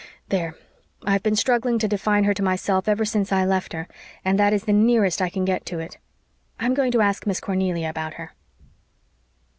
There, I've been struggling to define her to myself ever since I left her, and that is the nearest I can get to it. I'm going to ask Miss Cornelia about her."